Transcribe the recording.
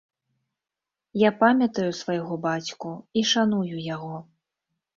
Я памятаю свайго бацьку і шаную яго.